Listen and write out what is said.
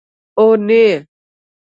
اونۍ